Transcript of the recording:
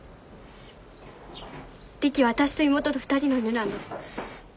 リキはあたしと妹と２人の犬なんです